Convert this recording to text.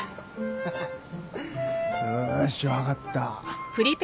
ハハッよーし分かった。